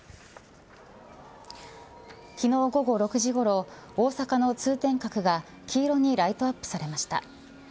昨日午後６時ごろ大阪の通天閣が黄色にライトアップされました。